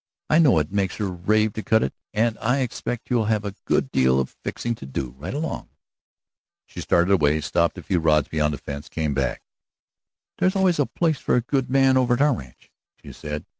I know it makes her rave to cut it, and I expect you'll have a good deal of fixing to do right along." She started away, stopped a few rods beyond the fence, came back. "There's always a place for a good man over at our ranch," she said.